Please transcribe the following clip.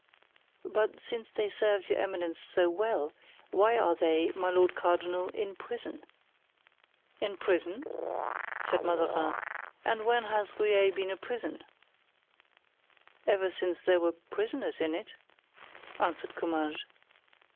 "But since they served your eminence so well, why are they, my lord cardinal, in prison?" "In prison?" said Mazarin, "and when has Rueil been a prison?" "Ever since there were prisoners in it," answered Comminges.